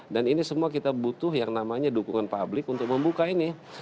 ini semua kita butuh yang namanya dukungan publik untuk membuka ini